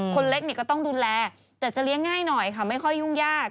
คนเล็กเนี่ยก็ต้องดูแลแต่จะเลี้ยงง่ายหน่อยค่ะไม่ค่อยยุ่งยาก